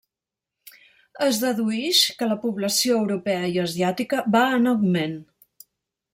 Es deduïx que la població europea i asiàtica va en augment.